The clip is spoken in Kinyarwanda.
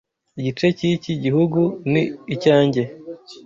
Igice cyiki gihugu ni icyanjye.